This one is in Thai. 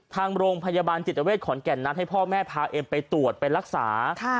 ทางโรงพยาบาลจิตเวทขอนแก่นนัดให้พ่อแม่พาเอ็มไปตรวจไปรักษา